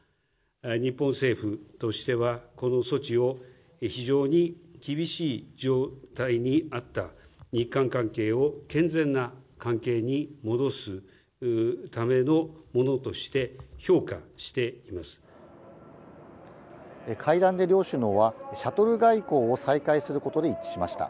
日本政府としては、この措置を非常に厳しい状態にあった日韓関係を健全な関係に戻す会談で両首脳は、シャトル外交を再開することで一致しました。